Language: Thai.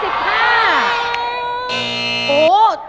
๗๕บาท